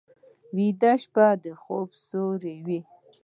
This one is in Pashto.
ویده شپه د خوب سیوری وي